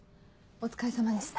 お疲れさまでした。